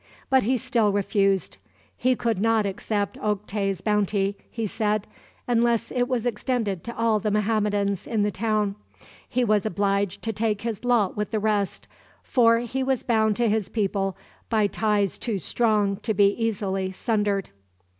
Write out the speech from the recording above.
But he still refused. He could not accept Oktay's bounty, he said, unless it were extended to all the Mohammedans in the town. He was obliged to take his lot with the rest, for he was bound to his people by ties too strong to be easily sundered.